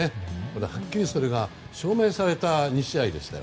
はっきりそれが証明された２試合でしたよ。